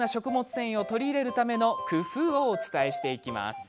繊維をとり入れるための工夫をお伝えしていきます。